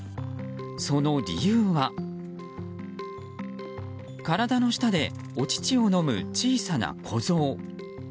その理由は、体の下でお乳を飲む小さな子ゾウ。